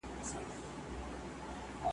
طبیعت ته نږدې اوسئ.